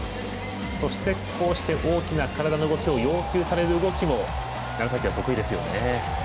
そしてこうして大きな体の動きを要求される動きも楢崎は得意ですよね。